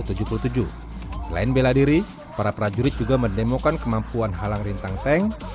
selain bela diri para prajurit juga mendemokan kemampuan halang rintang tank